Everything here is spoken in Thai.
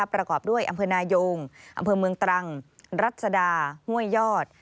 ประกอบด้วยอำเภอนายงอำเภอเมืองตรังรัศดาห้วยยอด